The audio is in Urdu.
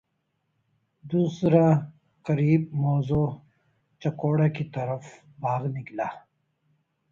دوسرا قریب موضع چکوڑہ کی طرف بھاگ نکلا۔